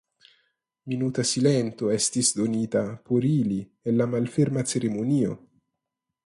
Minuta silento estis donita por ili en la malferma ceremonio.